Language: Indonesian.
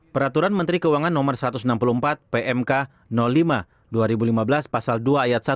peraturan menteri keuangan no satu ratus enam puluh empat pmk lima dua ribu lima belas pasal dua ayat satu